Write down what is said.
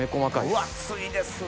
分厚いですね。